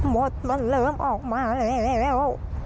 หมดมันเริ่มออกมาแล้ว